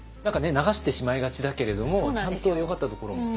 流してしまいがちだけれどもちゃんとよかったところも。